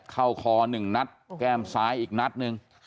เข้าคอ๑นัดแก้มซ้ายอีกนัดนึง